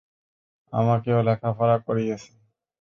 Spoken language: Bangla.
আমাকেও লেখাপড়া করিয়েছে।